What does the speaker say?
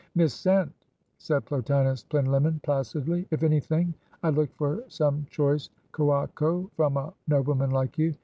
"Missent," said Plotinus Plinlimmon placidly: "if any thing, I looked for some choice Curaçoa from a nobleman like you.